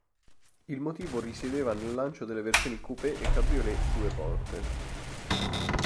Il motivo risiedeva nel lancio delle versioni coupé e cabriolet due porte.